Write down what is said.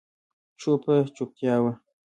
چوپه چوپتیا وه.